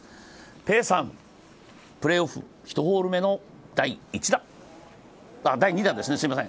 ペさん、プレーオフ、１ホール目の第２打です。